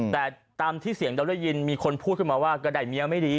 แต่ตามที่เสียงเราได้ยินมีคนพูดขึ้นมาว่าก็ได้เมียไม่ดี